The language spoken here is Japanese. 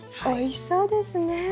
おいしそうですね。